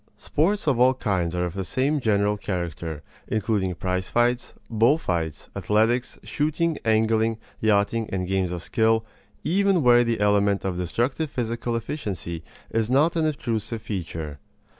Sports of all kinds are of the same general character, including prize fights, bull fights, athletics, shooting, angling, yachting, and games of skill, even where the element of destructive physical efficiency is not an obtrusive feature.